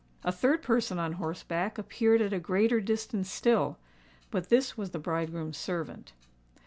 A third person on horseback appeared at a greater distance still; but this was the bridegroom's servant.